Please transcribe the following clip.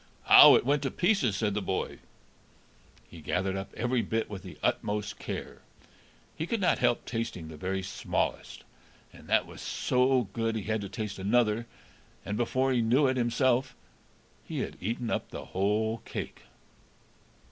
"Ow, it went to pieces," said the boy. He gathered up every bit with the utmost care; he could not help tasting the very smallest, and that was so good he had to taste another, and, before he knew it himself, he had eaten up the whole cake.